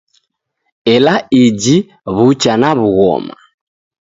Ela iji w'ucha na w'ughoma